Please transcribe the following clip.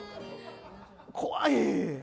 怖い。